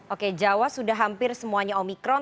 oke jawa sudah hampir semuanya omikron